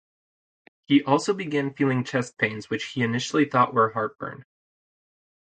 He also began feeling chest pains which he initially thought were heartburn.